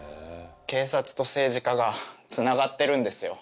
警察と政治家がつながってるんですよ。